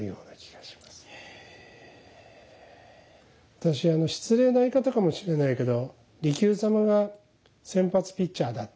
私はあの失礼な言い方かもしれないけど利休様が先発ピッチャーだって。